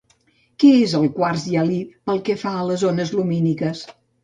Què és el quars hialí pel que fa a les ones lumíniques?